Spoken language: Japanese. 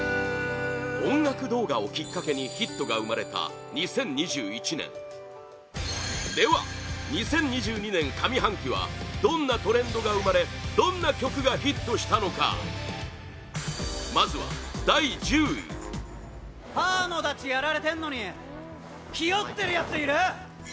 音楽動画をきっかけにヒットが生まれた２０２１年では、２０２２年上半期はどんなトレンドが生まれどんな曲がヒットしたのかまずは第１０位マイキー：パーのダチやられてんのに日和ってるやついる？